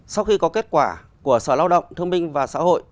sau khi có kết quả của sở lao động thương minh và xã hội